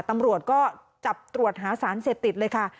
ตำรวจก็จับตรวจหาสารเสพติดเลยค่ะ